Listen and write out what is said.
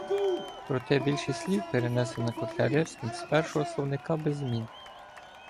Проте більшість слів перенесена Котляревським з першого словника без змін.